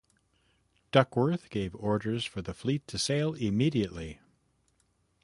Duckworth gave orders for the fleet to sail immediately.